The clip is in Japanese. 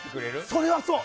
それはそう。